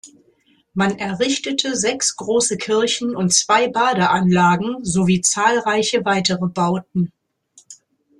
Man errichtete sechs große Kirchen und zwei Badeanlagen sowie zahlreiche weitere Bauten.